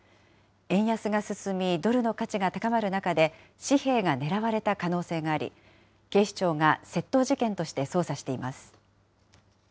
円安が進み、ドルの価値が高まる中で、紙幣が狙われた可能性があり、警視庁が窃盗事件として捜査しています。